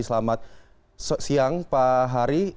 selamat siang pak hari